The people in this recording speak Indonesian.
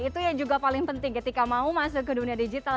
itu yang juga paling penting ketika mau masuk ke dunia digital